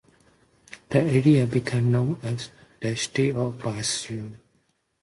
The area became known as the Duchy of Prussia.